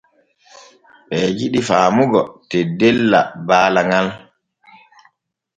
Ɓee jidi faamugo teddella baala ŋal.